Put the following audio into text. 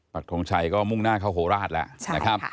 ปักทงชัยก็มุ่งหน้าเข้าโหราชแล้ว